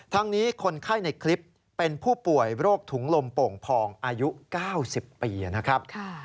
ทั้งนี้คนไข้ในคลิปเป็นผู้ป่วยโรคถุงลมโป่งพองอายุ๙๐ปีนะครับ